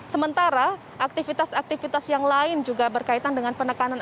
sementara aktivitas aktivitas yang lain juga berkaitan dengan penekanan